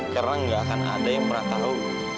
karena nggak akan ada yang pernah tahu